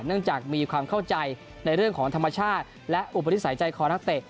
เนื่องจากมีความเข้าใจในเรื่องของธรรมชาติและอุปนิสัยใจคอนักเตะ